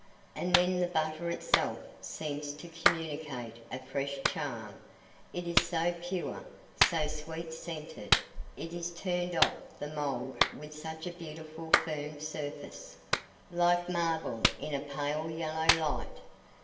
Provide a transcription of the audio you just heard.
And then the butter itself seems to communicate a fresh charm—it is so pure, so sweet scented; it is turned off the mould with such a beautiful firm surface, like marble in a pale yellow light!